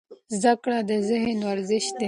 زده کړه د ذهن ورزش دی.